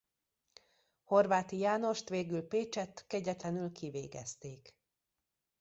Horváti Jánost végül Pécsett kegyetlenül kivégezték.